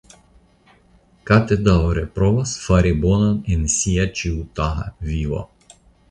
Kate daŭre provas fari bonon en sia ĉiutaga vivo.